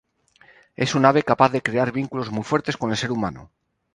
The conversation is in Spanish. Es un ave capaz de crear vínculos muy fuertes con el ser humano.